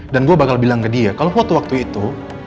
dan gue bakal bilang ke dia kalo foto waktu itu